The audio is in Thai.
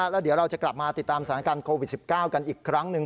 แล้วเดี๋ยวเราจะกลับมาติดตามสถานการณ์โควิด๑๙กันอีกครั้งหนึ่ง